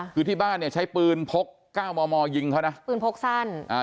คือที่บ้านเนี่ยใช้ปืนพกเก้ามอมอยิงเขานะปืนพกสั้นอ่า